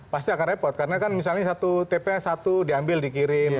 pasti akan repot karena kan misalnya satu tps satu diambil dikirim